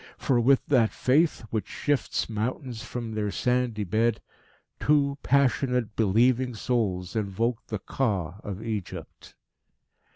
For with that faith which shifts mountains from their sandy bed, two passionate, believing souls invoked the Ka of Egypt.